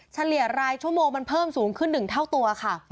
เฉลี่ยรายชั่วโมงมันเพิ่มสูงขึ้น๑เท่าตัวค่ะ